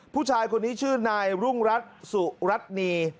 ผู้ชายคนนี้ชื่อนายรุ่งรัฐสุรัตนี